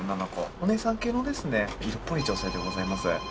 お姉さん系の色っぽい女性でございます。